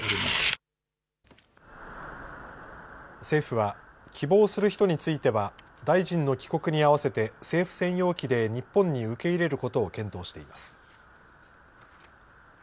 政府は希望する人については、大臣の帰国に合わせて政府専用機で日本に受け入れることを検討しています。